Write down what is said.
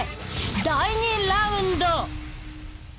第２ラウンド！